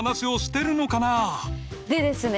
でですね